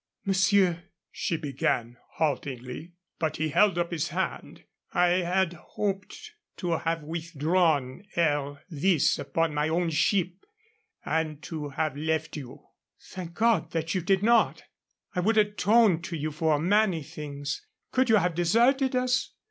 "Monsieur " she began, haltingly. But he held up his hand. "I had hoped to have withdrawn ere this upon my own ship and to have left you." "Thank God that you did not. I would atone to you for many things. Could you have deserted us?